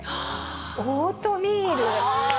オートミール。